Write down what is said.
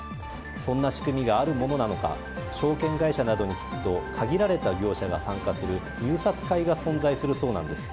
そんな仕組みがあるものなのか証券会社などに聞くと限られた業者が参加する入札会が存在するそうなんです。